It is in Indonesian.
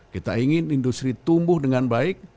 kita ingin industri tumbuh dengan baik